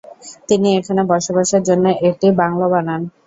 তিনি এখানে বসবাসের জন্যে একটি বাংলো বানান।